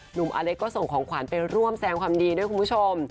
อเล็กก็ส่งของขวัญไปร่วมแสงความดีด้วยคุณผู้ชม